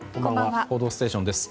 「報道ステーション」です。